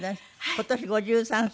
今年５３歳。